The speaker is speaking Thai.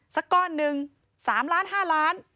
สักก้อนหนึ่ง๓ล้าน๕ล้าน